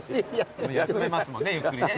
休めますもんねゆっくりね。